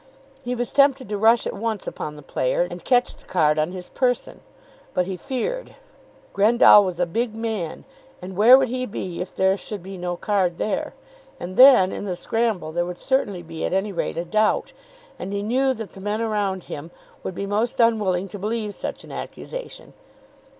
He was tempted to rush at once upon the player, and catch the card on his person. But he feared. Grendall was a big man; and where would he be if there should be no card there? And then, in the scramble, there would certainly be at any rate a doubt. And he knew that the men around him would be most unwilling to believe such an accusation.